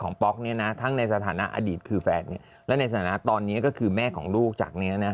ป๊อกเนี่ยนะทั้งในสถานะอดีตคือแฟนเนี่ยและในฐานะตอนนี้ก็คือแม่ของลูกจากเนี้ยนะ